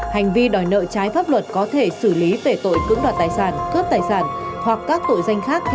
hành vi đòi nợ trái pháp luật có thể xử lý về tội cưỡng đoạt tài sản cướp tài sản hoặc các tội danh khác